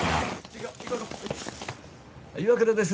岩倉です。